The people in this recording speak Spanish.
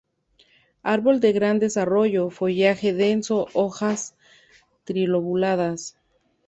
Árbol de gran desarrollo, follaje denso, hojas trilobuladas.